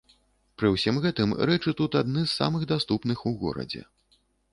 Пры ўсім гэтым рэчы тут адны з самых даступных у горадзе.